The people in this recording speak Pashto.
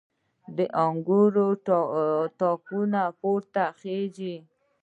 د انګور تاکونه پورته خیژي